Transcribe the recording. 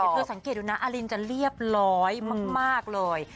แต่เธอสังเกตดูนะอลินจะเรียบร้อยมากเลย